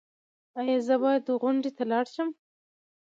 ایا زه باید غونډې ته لاړ شم؟